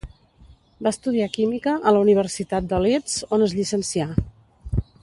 Va estudiar química a la Universitat de Leeds on es llicencià.